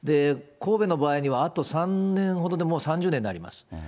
神戸の場合には、あと３年ほどでもう３０年になります。